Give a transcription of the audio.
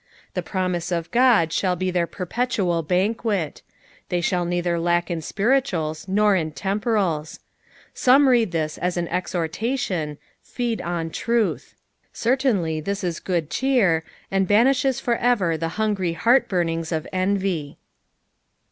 The promise of God shall be their per petual bim(|uct ; they shall neither lack in splrituaU nor in temporala. Some read this as an exhortation, " Feed on truth ;" certainly this is guod cheer, and banishes for ever the hungry heart burnings of envy.